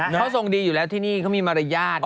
จะส่งดีอยู่แล้วที่นี้ก็มีมารยาท